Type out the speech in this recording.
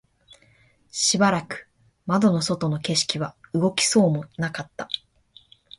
しばらく窓の外の景色は動きそうもなかった